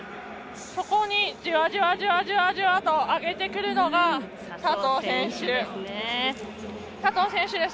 そこに、じわじわじわじわと上げてくるのが佐藤選手です。